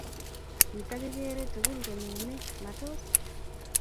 Kitagigere tugul konyone, matos?